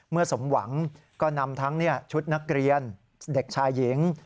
สมหวังก็นำทั้งชุดนักเรียนเด็กชายหญิง